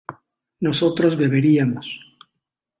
nosotros beberíamos